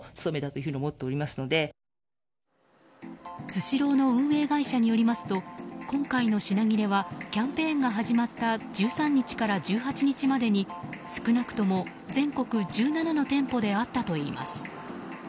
スシローの運営会社によりますと、今回の品切れはキャンペーンが始まった１３日から１８日までに少なくとも全国１７の店舗であったといいます。